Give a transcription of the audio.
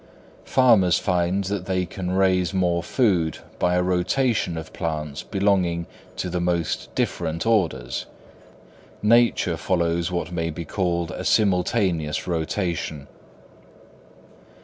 Farmers find that they can raise more food by a rotation of plants belonging to the most different orders: nature follows what may be called a simultaneous rotation.